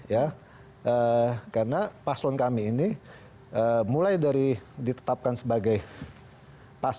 yang terjadi di perusahaan